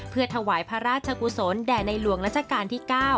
เพื่อถวายพระราชกุศลแด่ในหลวงรัชกาลที่๙